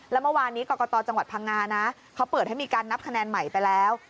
แล้วเมื่อวานนี้กรกตจังหวัดพังงานะเขาเปิดให้มีการนับคะแนนใหม่ไปแล้ว